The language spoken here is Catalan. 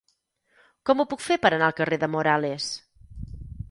Com ho puc fer per anar al carrer de Morales?